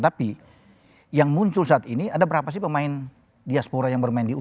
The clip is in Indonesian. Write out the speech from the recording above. tapi yang muncul saat ini ada berapa sih pemain diaspora yang bermain di u dua puluh